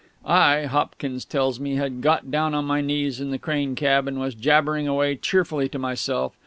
I, Hopkins tells me, had got down on my knees in the crane cab, and was jabbering away cheerfully to myself.